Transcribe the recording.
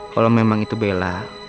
kalau memang itu bella